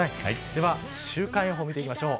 では週間予報を見ていきましょう。